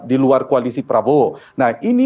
di luar koalisi prabowo nah ini